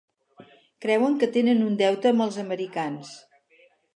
Creuen que tenen un deute amb els americans.